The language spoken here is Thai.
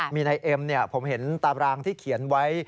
มีนายเอ็มผมเห็นตารางที่เขียนไว้